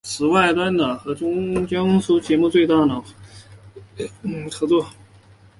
此外端脑还与江苏卫视节目最强大脑跨界合作。